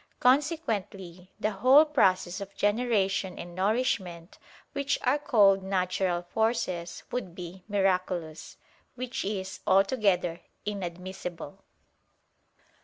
Consequently the whole process of generation and nourishment, which are called "natural forces," would be miraculous. Which is altogether inadmissible.